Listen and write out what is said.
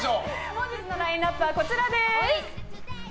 本日のラインアップはこちらです。